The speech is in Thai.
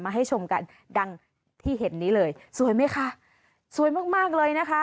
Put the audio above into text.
ให้ชมกันดังที่เห็นนี้เลยสวยไหมคะสวยมากมากเลยนะคะ